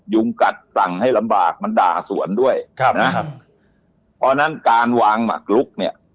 ยุงกัดสั่งให้ลำบากมันด่าสวนด้วยครับนะครับเพราะฉะนั้นการวางหมักลุกเนี่ย